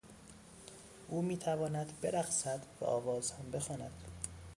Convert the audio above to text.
او میتواند برقصد و آواز هم بخواند.